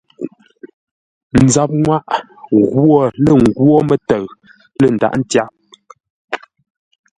Nzap-nŋwâʼ ghwo lə́ nghwó mə́təʉ lə́ ndághʼ ntyághʼ.